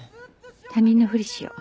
他人のフリしよう。